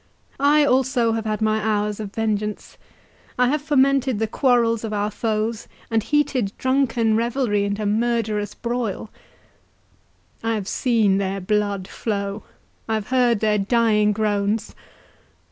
—I also have had my hours of vengeance—I have fomented the quarrels of our foes, and heated drunken revelry into murderous broil—I have seen their blood flow—I have heard their dying groans!